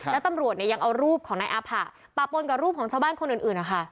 แล้วตำรวจเนี่ยยังเอารูปของนายอาผะปะปนกับรูปของชาวบ้านคนอื่นนะคะ